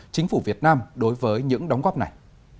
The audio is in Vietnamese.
chính phủ việt nam đối với những đóng góp này